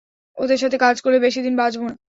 ওদের সাথে কাজ করলে বেশি দিন বাঁচবো না।